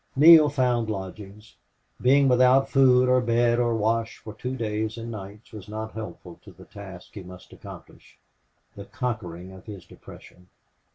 Neale found lodgings. Being without food or bed or wash for two days and nights was not helpful to the task he must accomplish the conquering of his depression.